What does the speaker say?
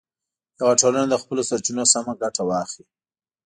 یوه ټولنه له خپلو سرچینو سمه ګټه واخلي.